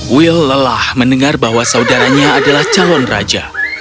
will lelah mendengar bahwa saudaranya adalah calon raja